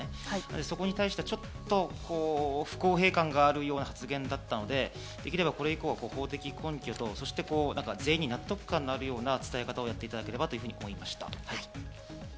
そこに対してちょっと不公平感があるような発言だったので、できればこれ以降、法的根拠と全員に納得のあるような伝え方をしていただければと思いました。